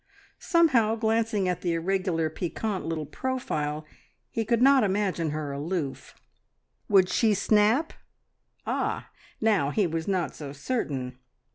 Somehow, glancing at the irregular, piquant little profile, he could not imagine her aloof. Would she snap? Ah! Now he was not so certain.